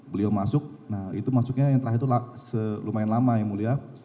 beliau masuk nah itu maksudnya yang terakhir itu lumayan lama ya mulia